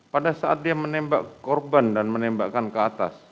pada saat dia menembak korban dan menembakkan ke atas